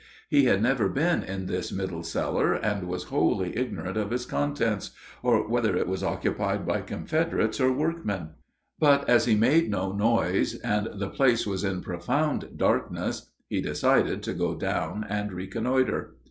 He had never been in this middle cellar, and was wholly ignorant of its contents or whether it was occupied by Confederates or workmen; but as he had made no noise, and the place was in profound darkness, he decided to go down and reconnoiter.